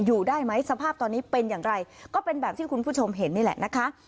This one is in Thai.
อยู่ได้ไหมสภาพตอนนี้เป็นอย่างไรก็เป็นแบบที่คุณผู้ชมเห็นนี่แหละนะคะ